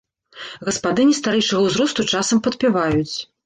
Гаспадыні старэйшага ўзросту часам падпяваюць.